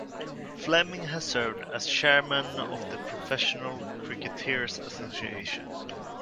Fleming has served as Chairman of the Professional Cricketers' Association.